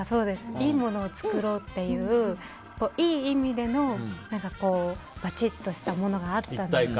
いいものを作ろうっていういい意味でのバチッとしたものがあったので。